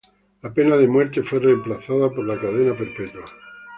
La pena de muerte fue reemplazada por cadena perpetua.